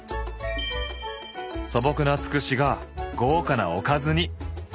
素朴なつくしが豪華なおかずに。